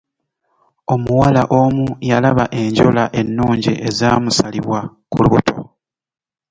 Omuwala omu yalaba enjola ennungi ezaamusalibwa ku lubuto.